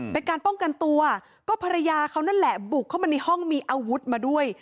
เป็นการป้องกันตัวก็ภรรยาเขานั่นแหละบุกเข้ามาในห้องมีอาวุธมาด้วย